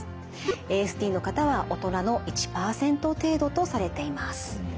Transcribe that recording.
ＡＳＤの方は大人の１％程度とされています。